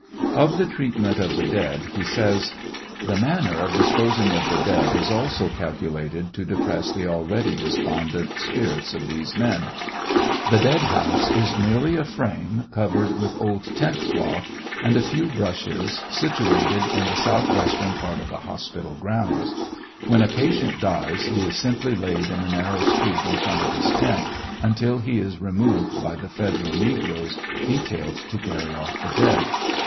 Of the treatment of the dead he says : The manner of disposing of the dead is also calculated to depress the already despondent spirits of these men. »»» rj^jg dead house is merely a frame, covered with old tent cloth and a few brushes, situated in the southwestern corner of the hospital grounds. When a patient dies he is simply laid in the narrow street iu front of his tent, until he is removed by the federal negroes detailed to carry off the dead.